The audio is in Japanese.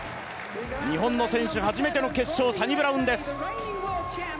日本の選手初めての決勝サニブラウンです。